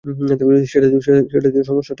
সেটাই তো সমস্যা, টম!